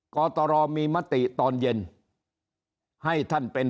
กตรมีมติตอนเย็นให้ท่านเป็น